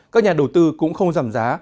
các nhà đầu tư cũng không giảm giá